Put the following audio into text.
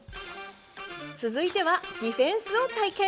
続いてはディフェンスを体験。